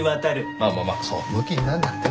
まあまあまあそうムキになるなってね。